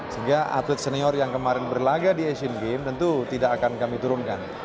sehingga atlet senior yang kemarin berlaga di asian games tentu tidak akan kami turunkan